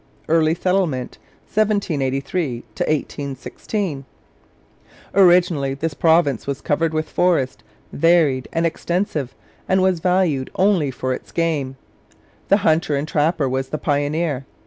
EARLY SETTLEMENT, 1783 1816 Originally this province was covered with forest, varied and extensive, and was valued only for its game. The hunter and trapper was the pioneer.